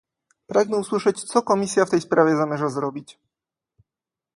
Pragnę usłyszeć, co Komisja w tej sprawie zamierza zrobić